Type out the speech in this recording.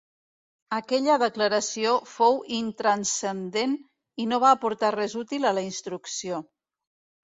Aquella declaració fou intranscendent i no va aportar res útil a la instrucció.